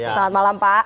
selamat malam pak